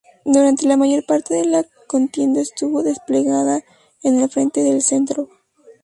Durante la mayor parte de la contienda estuvo desplegada en el frente del Centro.